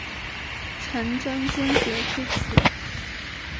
陈顼坚决推辞。